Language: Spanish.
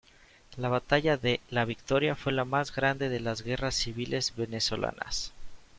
La batalla de La Victoria fue la más grande de las guerras civiles venezolanas.